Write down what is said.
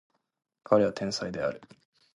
彼は天才である